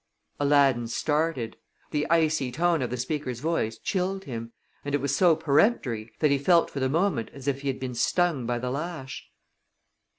Aladdin started. The icy tone of the speaker's voice chilled him, and it was so peremptory that he felt for the moment as if he had been stung by the lash.